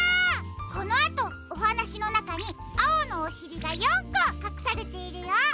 このあとおはなしのなかにあおのおしりが４こかくされているよ。